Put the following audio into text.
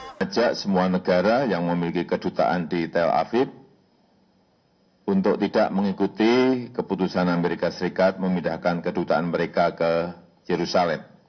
mengajak semua negara yang memiliki kedutaan di tel aviv untuk tidak mengikuti keputusan amerika serikat memindahkan kedutaan mereka ke yerusalem